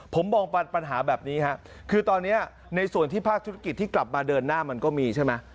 ผมมองปัญหาแบบนี้ครับคือตอนนี้ในส่วนที่ภาคธุรกิจที่กลับมาเดินหน้ามันก็มีใช่ไหม